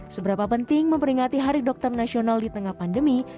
seberapa penting memperingati hari dokter nasional di tengah pandemi